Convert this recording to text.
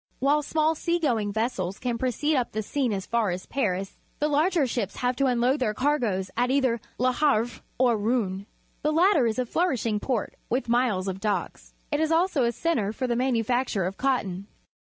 ^Miile small sea going vessels can proceed up the Seine as far as Paris, the larger ships have to unload their cargoes at either Le Havre or Rouen. The latter is a flourishing port, with miles of docks. It is also a centre for the manufacture of cotton.